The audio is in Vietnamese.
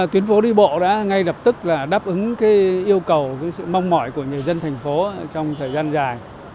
tuyến phố đi bộ đã ngay lập tức là đáp ứng yêu cầu sự mong mỏi của người dân thành phố trong thời gian dài